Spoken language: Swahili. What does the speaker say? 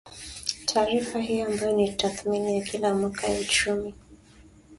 Taarifa hiyo, ambayo ni tathmini ya kila mwaka ya uchumi